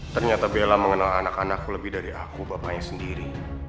ternyata bella mengenal anak anakku lebih dari aku bapaknya sendiri